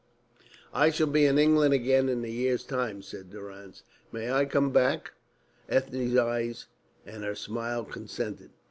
"I shall be in England again in a year's time," said Durrance. "May I come back?" Ethne's eyes and her smile consented.